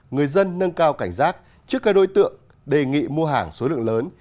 người dân nâng cao cảnh giác trước các đối tượng đề nghị mua hàng số lượng lớn